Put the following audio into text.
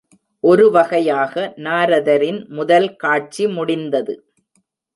ஒருவகையாக நாரதரின் முதல் காட்சி முடிந்தது.